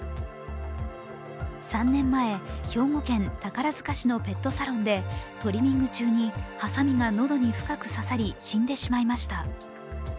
３年前、兵庫県宝塚市のペットサロンでトリミング中にはさみが喉に深く刺さり死んでしまいました。